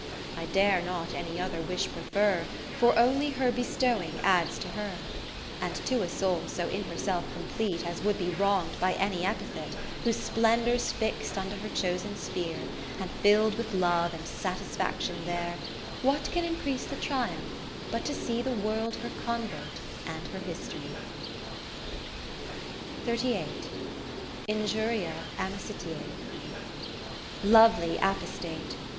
I dare not any other wish prefer, 39 For only her bestowing adds to her. And to a soul so in herself complete As would be wrong'd by any epithet. Whose splendour 's fix'd unto her chosen sphere, And fill'd with love and satisfaction there, What can increase the triumph, but to see The World her Convert and her History ? Injuria Amicitiae Lovely Apostate